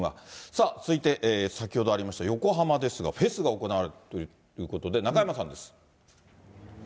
さあ続いて、先ほどありました横浜ですが、フェスが行われているということで、中山さんです。